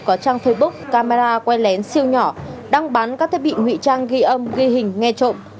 có trang facebook camera quay lén siêu nhỏ đang bán các thiết bị ngụy trang ghi âm ghi hình nghe trộm